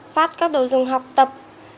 phát các đồ dùng học tập